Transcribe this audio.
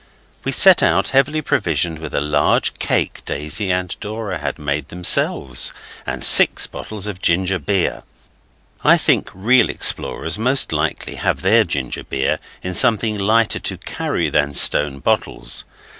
We set out, heavily provisioned with a large cake Daisy and Dora had made themselves, and six bottles of ginger beer. I think real explorers most likely have their ginger beer in something lighter to carry than stone bottles.